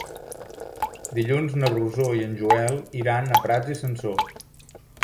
Dilluns na Rosó i en Joel iran a Prats i Sansor.